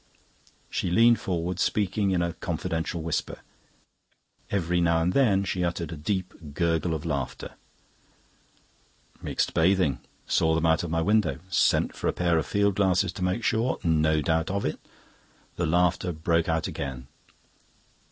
She leaned forward, speaking in a confidential whisper; every now and then she uttered a deep gurgle of laughter. "...mixed bathing...saw them out of my window...sent for a pair of field glasses to make sure...no doubt of it..." The laughter broke out again.